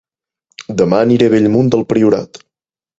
Dema aniré a Bellmunt del Priorat